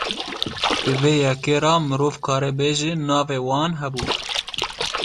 Bi vê yekê re mirov karê bêje navê wan hebû.